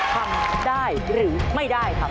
ทำได้หรือไม่ได้ครับ